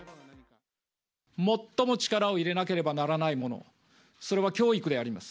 最も力を入れなければならないもの、それは教育であります。